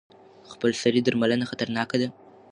خپلسري درملنه خطرناکه ده.